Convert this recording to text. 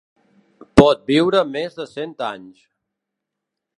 Pot viure més de cent anys.